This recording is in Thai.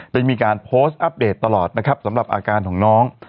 ได้มีการโพสต์อัปเดตตลอดนะครับสำหรับอาการของน้อง